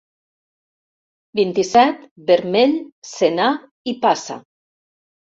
Vint-i-set, vermell, senar i passa.